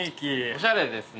おしゃれですね。